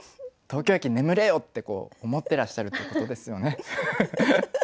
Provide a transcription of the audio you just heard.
「東京駅眠れよ！」って思ってらっしゃるってことですよね。